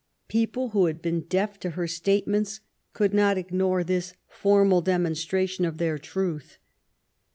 People who had been deaf to her statements could not ignore this formal demonstration of their truth.